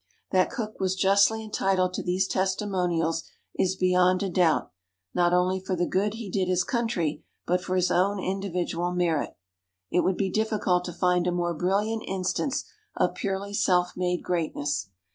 That Cook was justly entitled to these testimonials is beyond a doubt, not only for the good he did his coun try, but for his own individual merit. It would be diffi cult to find a more brilUant instance of purely self made greatness.